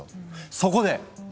そこで！